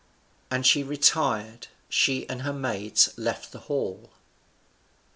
And she retired, she and her maids, and left the hall.